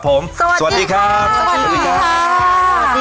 ขอบคุณครับ